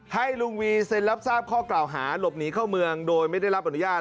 ให้ลุงวีเซ็นรับทราบข้อกล่าวหาหลบหนีเข้าเมืองโดยไม่ได้รับอนุญาต